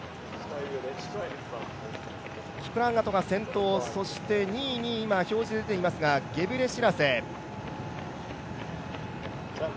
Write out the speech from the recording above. キプランガトが先頭、そして２位に表示が出ていますが、ゲブレシラセ。